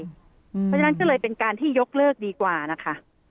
เพราะฉะนั้นก็เลยเป็นการที่ยกเลิกดีกว่านะคะ